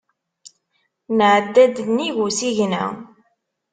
Nɛedda-d nnig usigna.